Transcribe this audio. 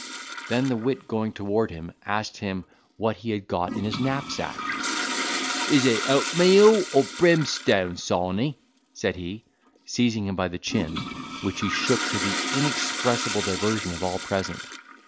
Then the wit going toward him, asked him what he had got in his knapsack? "Is it oatmeal or brimstone, Sawney?" said he, seizing him by the chin, which he shook, to the inexpressible diversion of all present.